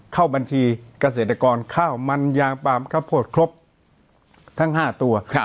เข้าบัญชีเกษตรกรเข้ามันยางปามข้าโพดครบทั้งห้าตัวครับ